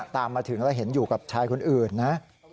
ตามมาถึงแล้วเห็นอยู่กับชายคนอื่นนะ